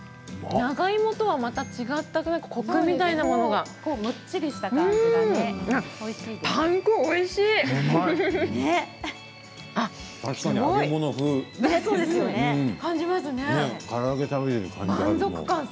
長芋とはまた違ったコクみたいなものがもっちりした感じが。